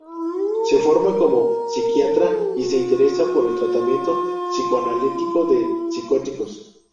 Se forma como psiquiatra y se interesa por el tratamiento psicoanalítico de psicóticos.